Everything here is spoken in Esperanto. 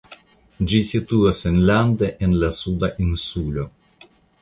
Ĝi situas enlande en la Suda Insulo.